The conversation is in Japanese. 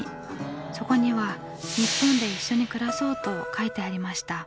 そこには「日本で一緒に暮らそう」と書いてありました。